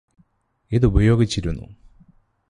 ഇതുപയോഗിച്ചിരുന്നു